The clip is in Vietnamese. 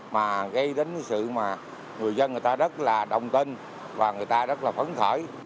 mà gây đến cái sự mà người dân người ta rất là đồng tin và người ta rất là phấn khởi